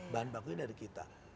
bahan bakunya dari kita